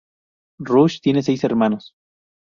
Rush tiene seis hermanos.